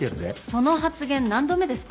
その発言何度目ですか？